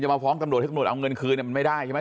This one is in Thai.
มาฟ้องตำรวจให้ตำรวจเอาเงินคืนมันไม่ได้ใช่ไหม